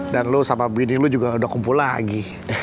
dan lu sama bini lu juga udah kumpul lagi